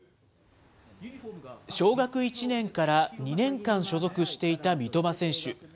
小学１年から２年間所属していた三笘選手。